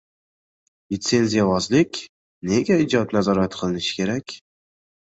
Litsenziyavozlik. Nega ijod nazorat qilinishi kerak?